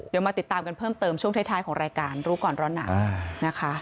เดี๋ยวมาติดตามกันเพิ่มเติมช่วงท้ายของรายการรู้ก่อนร้อนหนาวนะคะ